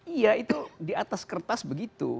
iya itu di atas kertas begitu